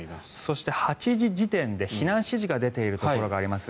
そして、８時時点で避難指示が出ているところがあります。